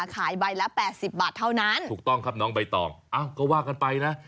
ขายใบละ๘๐บาทเท่านั้นถูกต้องครับน้องใบตองอ้าวก็ว่ากันไปนะ